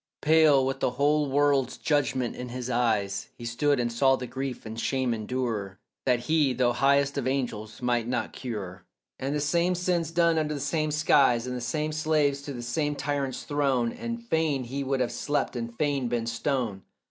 Pale, with the whole world's judgment in his eyes, He stood and saw the grief and shame endure That he, though highest of angels might not cure, And the same sins done under the same skies, And the same slaves to the same tyrants thrown, And fain he would have slept, and fain been stone.